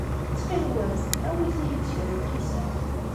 Ttxil-wen, awit-iyi-d kra n lkisan.